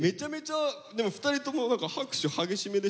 でも２人とも何か拍手激しめでしたね。